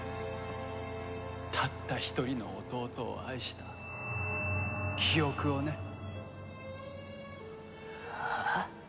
たった一人の弟を愛した記憶をね。はあ？